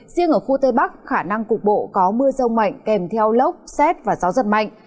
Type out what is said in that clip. riêng ở khu tây bắc khả năng cục bộ có mưa rông mạnh kèm theo lốc xét và gió giật mạnh